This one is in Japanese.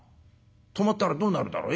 止まったらどうなるだろう。